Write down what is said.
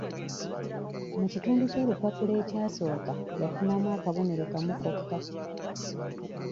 Mu kitundu ky'olupapula ekyasooka yafunamu akabonero kamu kokka.